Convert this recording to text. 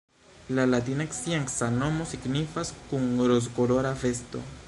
La latina scienca nomo signifas “kun rozkolora vesto”.